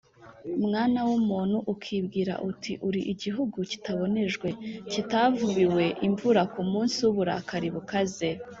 “Mwana w’umuntu, ukibwire uti ‘Uri igihugu kitabonejwe, kitavubiwe imvura ku munsi w’uburakari bukaze’